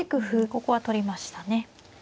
ここは取りましたね。